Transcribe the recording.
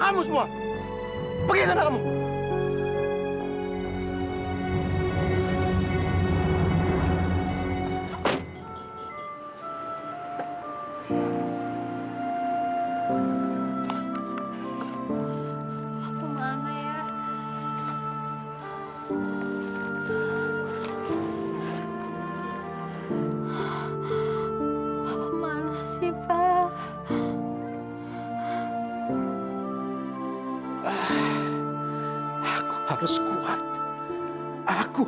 jauhkanlah dia dari bahaya ya allah